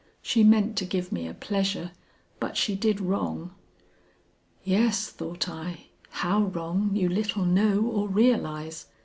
She meant to give me a pleasure, but she did wrong." "Yes," thought I, "how wrong you little know or realize."